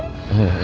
tiga banget sih om